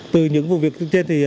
từ những vụ việc trên